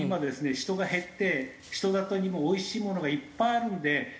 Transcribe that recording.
人が減って人里にもおいしいものがいっぱいあるんであの。